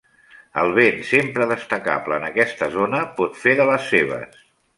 El vent, sempre destacable en aquesta zona, pot fer de les seves.